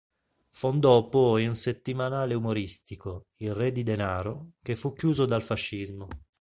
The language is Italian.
Fondò poi un settimanale umoristico, "Il Re di denaro", che fu chiuso dal fascismo.